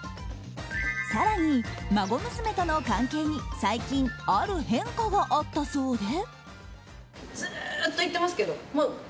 更に、孫娘との関係に最近ある変化があったそうで。